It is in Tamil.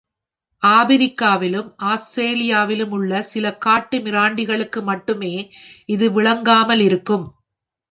ஆபிரிக்காவிலும், ஆஸ்திரேலியாவிலுமுள்ள சில காட்டு மிராண்டிகளுக்கு மட்டுமே இது விளங்காமலிருக்கும்.